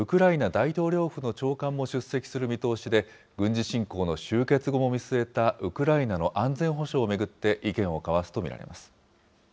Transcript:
大統領府の長官も出席する見通しで、軍事侵攻の終結後も見据えた、ウクライナの安全保障を巡って意見を交わすと見られます。